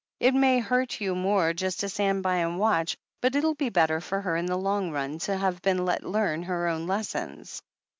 "It may hurt you more just to stand by and watch, but it'll be better for her in the long run to have been let learn her own lessons."